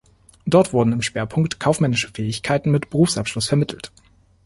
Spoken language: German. Dort wurden im Schwerpunkt kaufmännische Fähigkeiten mit Berufsabschluss vermittelt.